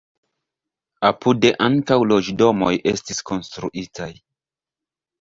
Apude ankaŭ loĝdomoj estis konstruitaj.